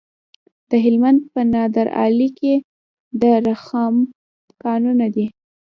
د هلمند په نادعلي کې د رخام کانونه دي.